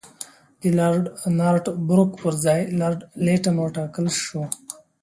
د لارډ نارت بروک پر ځای لارډ لیټن وټاکل شو.